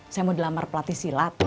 saya mau dilamar pelatih silat